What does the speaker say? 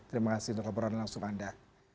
terima kasih untuk laporan langsung anda